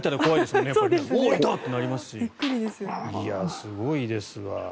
すごいですわ。